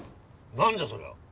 何じゃそりゃ？